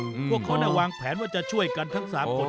พวกเขาวางแผนว่าจะช่วยกันทั้ง๓คน